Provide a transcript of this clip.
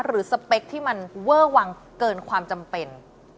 สเปคที่มันเวอร์วังเกินความจำเป็น